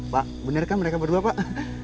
pak bener kan mereka berdua pak